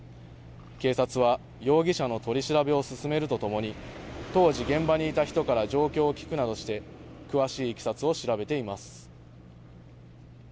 警察は容疑者の取り調べを進めるとともに当時、現場にいた人から状況を聞くなどして詳しいいきさつを調べています。